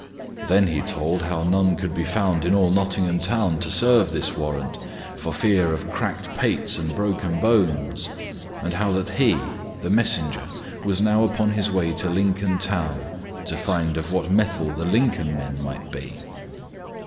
Then he told how none could be found in all Nottingham Town to serve this warrant, for fear of cracked pates and broken bones, and how that he, the messenger, was now upon his way to Lincoln Town to find of what mettle the Lincoln men might be.